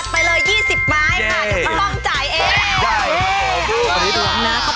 ไปเลย๒๐บาทค่ะอย่าต้องจ่ายเอง